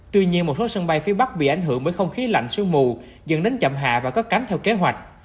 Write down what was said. tuy nhiên một số sân bay phía bắc bị ảnh hưởng bởi không khí lạnh sương mù dần đến chậm hạ và có cánh theo kế hoạch